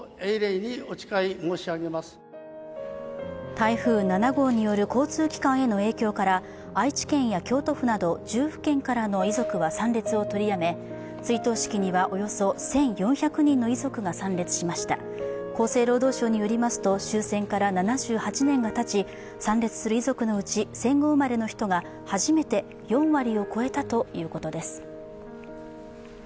台風７号による交通機関への影響から、愛知県や京都府など、１０府県からの遺族は参列を取りやめ、追悼式にはおよそ１４００人の遺族が参列しました厚生労働省によりますと終戦から７８年がたち、参列する遺族のうち戦後生まれの人が初めて４割を超えたということです。